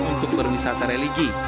untuk bermisah tereligi